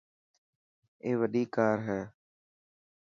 اي وڏي ڪار هي.